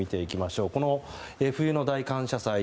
こちらの冬の大感謝祭